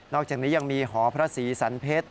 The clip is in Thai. อกจากนี้ยังมีหอพระศรีสันเพชร